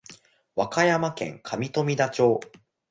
和歌山県上富田町